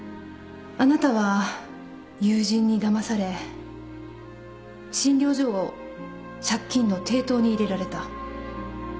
あなたは友人にだまされ診療所を借金の抵当に入れられた。